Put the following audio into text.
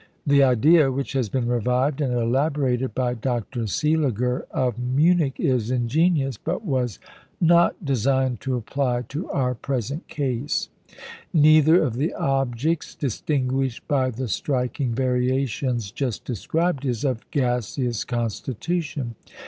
The idea, which has been revived and elaborated by Dr. Seeliger of Munich, is ingenious, but was not designed to apply to our present case. Neither of the objects distinguished by the striking variations just described is of gaseous constitution.